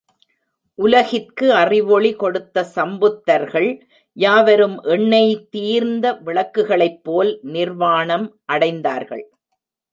உலகிற்கு அறிவொளி கொடுத்த சம்புத்தர்கள் யாவரும் எண்ணெய் தீர்ந்த விளக்குகளைப்போல் நிர்வாணம் அடைந்தார்கள்.